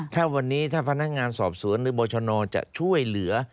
ถ้าวันนี้ถ้าพนักงานสอบสวนหรือบรชนจะช่วยเหลือ